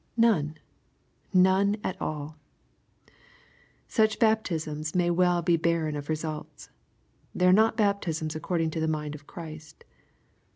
None 1 none at all I Such baptisms jnay well be barren of results. They are not baptisms according to the mind of Christ.